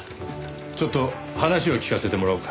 ちょっと話を聞かせてもらおうか。